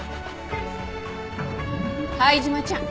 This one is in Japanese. ・・灰島ちゃん。